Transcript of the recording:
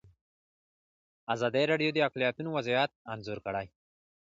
ازادي راډیو د اقلیتونه وضعیت انځور کړی.